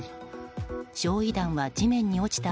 焼夷弾は地面に落ちた